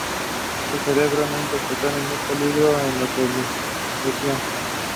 Andy Beevers from "Music Week" gave the song four out of five.